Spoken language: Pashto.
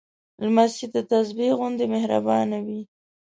لمسی د تسبېح غوندې مهربانه وي.